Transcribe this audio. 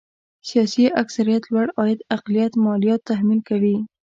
سیاسي اکثريت لوړ عاید اقلیت ماليات تحمیل کوي.